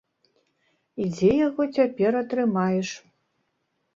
І дзе яго цяпер атрымаеш.